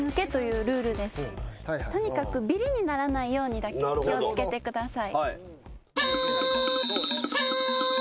とにかくビリにならないようにだけ気を付けてください。